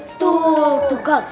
betul tuh kal